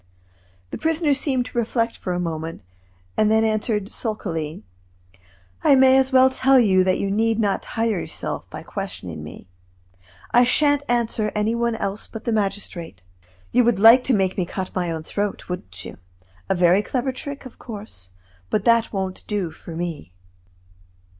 The prisoner seemed to reflect for a moment, and then answered, sulkily: "I may as well tell you that you need not tire yourself by questioning me. I shan't answer any one else but the magistrate. You would like to make me cut my own throat, wouldn't you? A very clever trick, of course, but one that won't do for me."